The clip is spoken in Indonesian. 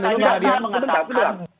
jangan pakai asumsi